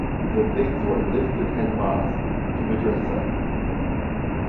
The things were lifted en masse to the dresser.